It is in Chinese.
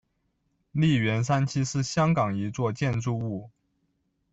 利园三期是香港一座建筑物。